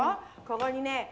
ここにね